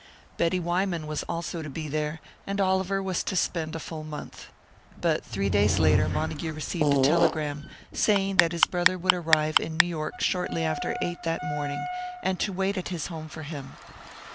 Betty Wyman was also to be there, and Oliver was to spend a full month. But three days later Montague received a telegram, saying that his brother would arrive in New York shortly after eight that morning, and to wait at his home for him.